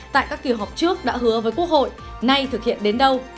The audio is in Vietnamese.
tại các kỳ họp trước đã hứa với quốc hội nay thực hiện đến đâu